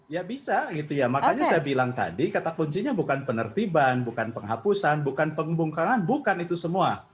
ya bisa gitu ya makanya saya bilang tadi kata kuncinya bukan penertiban bukan penghapusan bukan pembungkangan bukan itu semua